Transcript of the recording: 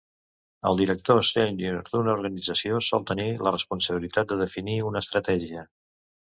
El director sénior d"una organització sol tenir la responsabilitat de definir una estratègia.